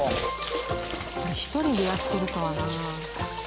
１人でやってるとはな。